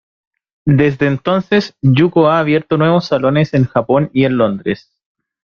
Desde entonces, Yuko ha abierto nuevos salones en Japón y en Londres